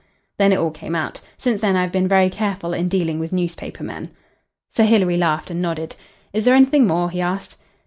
"Then it all came out. Since then I have been very careful in dealing with newspaper men." Sir Hilary laughed and nodded. "Is there anything more?" he asked.